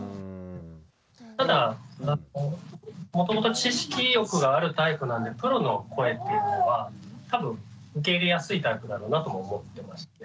ただもともと知識欲があるタイプなんでプロの声っていうのは多分受け入れやすいタイプだろうなとも思ってましたね。